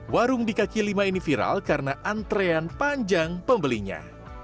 warung di kaki lima ini viral karena antrean panjang pembelinya